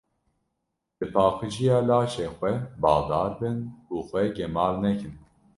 Li paqijiya laşê xwe baldar bin û xwe gemar nekin.